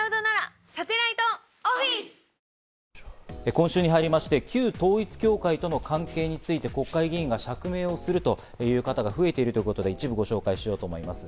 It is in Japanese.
今週に入りまして、旧統一教会との関係について、国会議員が釈明をするという方が増えているということで一部、ご紹介します。